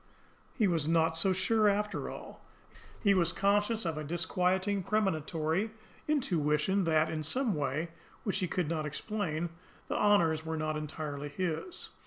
He was not so sure, after all. He was conscious of a disquieting, premonitory intuition that, in some way which he could not explain, the honours were not entirely his.